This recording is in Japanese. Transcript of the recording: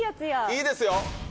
いいですよ！